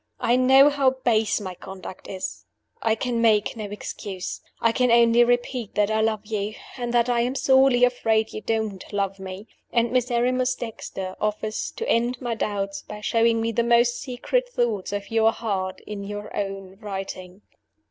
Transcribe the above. I know how base my conduct is. I can make no excuse. I can only repeat that I love you, and that I am sorely afraid you don't love me. And Miserrimus Dexter offers to end my doubts by showing me the most secret thoughts of your heart, in your own writing.